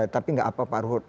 tapi nggak apa pak ruhut